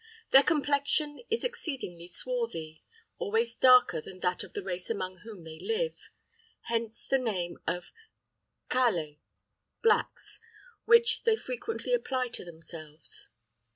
Their complexion is exceedingly swarthy, always darker than that of the race among whom they live. Hence the name of cale (blacks) which they frequently apply to themselves.